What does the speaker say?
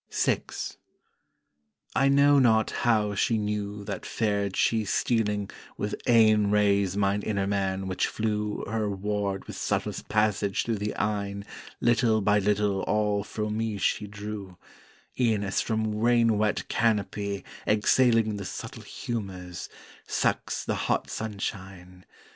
VI I know not how she knew that fared she stealing With Eyën rays mine inner man which flew Her ward with subtlest passage through the eyne Little by little all fro' me she drew, E'en as from rain wet canopy, exhaling The subtle humours, sucks the hot sunshine.